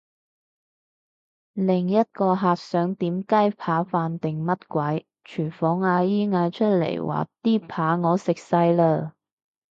另一個客想點雞扒飯定乜鬼，廚房阿姐嗌出嚟話啲扒我食晒嘞！